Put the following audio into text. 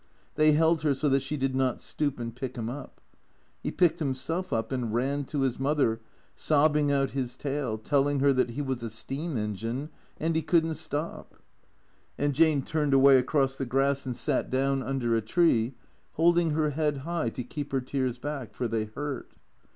They held her so that she did not stoop and pick him up. He picked himself up and ran to his mother, sob bing out his tale, telling her that he was a steam engine, and he could n't stop. T H E C E E A T 0 Pt S 111 And Jane turned away across the grass and sat down under a tree, holding her head high to keep her tears back, for they hurt.